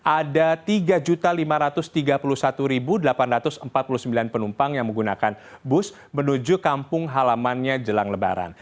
ada tiga lima ratus tiga puluh satu delapan ratus empat puluh sembilan penumpang yang menggunakan bus menuju kampung halamannya jelang lebaran